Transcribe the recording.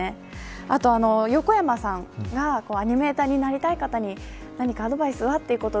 あとは横山さんがアニメーターになりたい方に何かアドバイスは、ということを